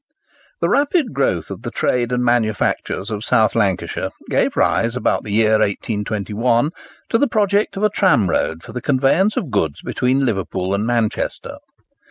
The rapid growth of the trade and manufactures of South Lancashire gave rise, about the year 1821, to the project of a tramroad for the conveyance of goods between Liverpool and Manchester.